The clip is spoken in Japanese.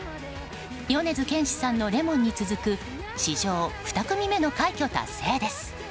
米津玄師さんの「Ｌｅｍｏｎ」に続く史上２組目の快挙達成です。